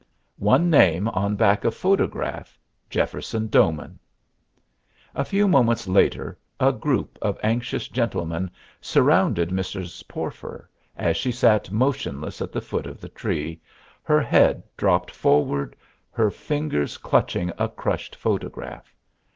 One name on back of photograph "Jefferson Doman." A few moments later a group of anxious gentlemen surrounded Mrs. Porfer as she sat motionless at the foot of the tree, her head dropped forward, her fingers clutching a crushed photograph.